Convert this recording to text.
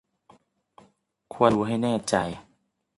ควรตรวจดูให้แน่ใจ